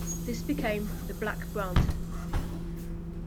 This became the Black Brant.